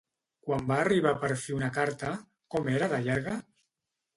Quan va arribar per fi una carta, com era de llarga?